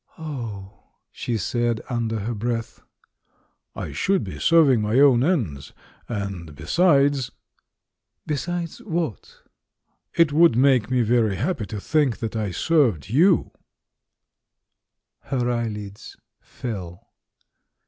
"Oh!" she said under her breath. "I should be serving my own ends. And be sides " "Besides— what?" "It would make me very happy to think that I served you'' Her eyelids fell.